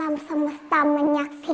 alam semesta menyaksikan